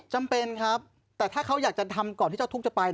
จำเป็นครับแต่ถ้าเขาอยากจะทำก่อนที่เจ้าทุกข์จะไป